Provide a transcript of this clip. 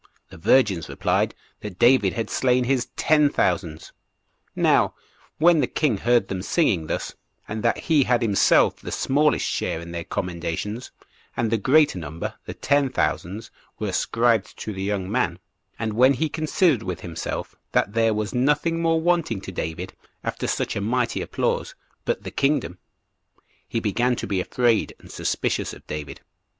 The virgins replied, that "David had slain his ten thousands." Now, when the king heard them singing thus, and that he had himself the smallest share in their commendations, and the greater number, the ten thousands, were ascribed to the young man; and when he considered with himself that there was nothing more wanting to David, after such a mighty applause, but the kingdom; he began to be afraid and suspicious of David.